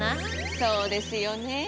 そうですよね。